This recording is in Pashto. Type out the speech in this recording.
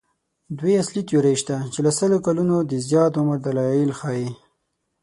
دوې اصلي تیورۍ شته چې له سلو کلونو د زیات عمر دلایل ښيي.